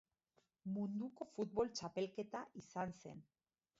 Munduko Futbol Txapelketa izan zen.